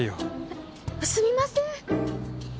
えっすみません！